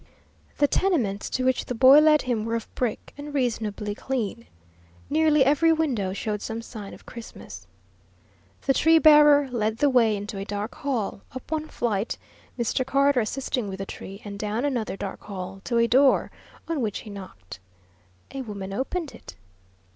The tenements to which the boy led him were of brick, and reasonably clean. Nearly every window showed some sign of Christmas. The tree bearer led the way into a dark hall, up one flight Mr. Carter assisting with the tree and down another dark hall, to a door, on which he knocked. A woman opened it.